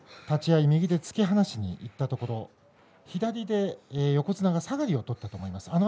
立ち合い右で突き放しにいったところ左で横綱、下がりを取ったと思います